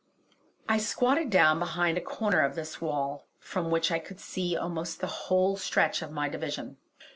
I squatted down behind a corner of this wall, from which I could see almost the whole stretch of my division.